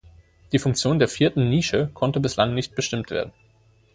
Die Funktion der vierten Nische konnte bislang nicht bestimmt werden.